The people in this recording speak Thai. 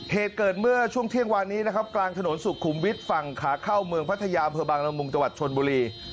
เหตุเกิดเมื่อช่วงเที่ยงวานนี้นะครับกลางถนนสุขุมวิทย์ฝั่งขาเข้าเมืองพัทยาอำเภอบางละมุงจังหวัดชนบุรี